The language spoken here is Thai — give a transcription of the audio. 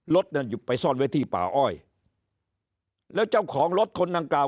รถนั้นหยุดไปซ่อนไว้ที่ป่าอ้อยแล้วเจ้าของรถคนดังกล่าว